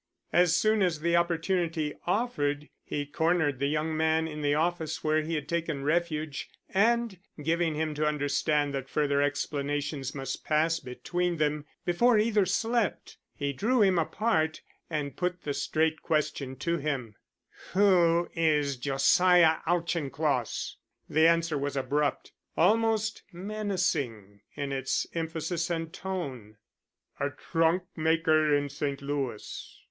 As soon as the opportunity offered he cornered the young man in the office where he had taken refuge, and giving him to understand that further explanations must pass between them before either slept, he drew him apart and put the straight question to him: "Who is Josiah Auchincloss?" The answer was abrupt, almost menacing in its emphasis and tone. "A trunk maker in St. Louis.